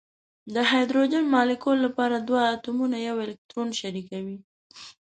د هایدروجن مالیکول لپاره دوه اتومونه یو الکترون شریکوي.